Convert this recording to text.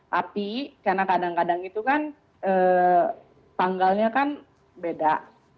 tapi karena kadang kadang itu kan tanggalnya kan beda